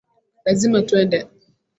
Lazima twende